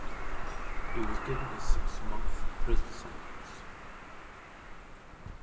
He was given a six-month prison sentence.